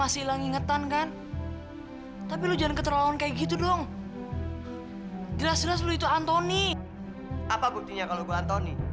siapa aja topan